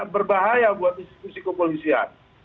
berbahaya buat bisik bisik kepolisian